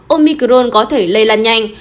omicron có thể lây lan nhanh